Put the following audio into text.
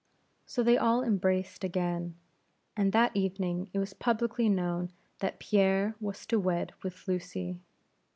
So they all embraced again; and that evening it was publicly known that Pierre was to wed with Lucy.